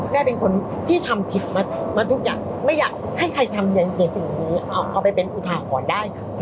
เป็นคนที่ทำผิดมาทุกอย่างไม่อยากให้ใครทำอย่างเกิดสิ่งนี้เอาไปเป็นอุทาหรณ์ได้ค่ะ